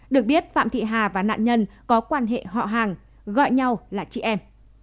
được biết phạm thị hà và nạn nhân có quan hệ họ hàng gọi nhau là chị em